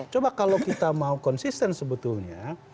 coba kalau kita mau konsisten sebetulnya